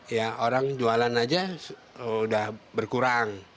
ya orang jualan aja udah berkurang